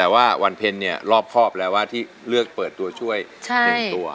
แต่ว่าวันเพ็ญเนี่ยรอบครอบแล้วว่าที่เลือกเปิดตัวช่วย๑ตัว